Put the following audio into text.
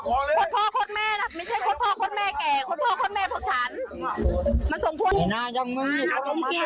จ้ะหนูรักไม่ได้จริงจ้ะหนูรักไม่ได้จริงจ้ะ